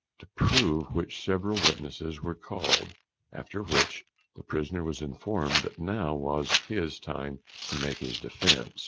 To prove which several witnesses were called. After which the prisoner was informed that now was his time to make his defence.